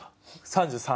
３３。